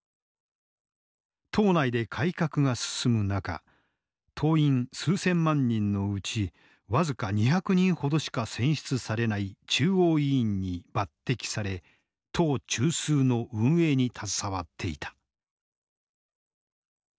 党内で改革が進む中党員数千万人のうち僅か２００人ほどしか選出されない中央委員に抜てきされ党中枢の運営に携わっていた。